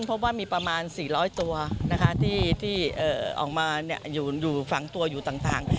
พบว่ามีประมาณ๔๐๐ตัวที่ออกมาอยู่ฝังตัวอยู่ต่าง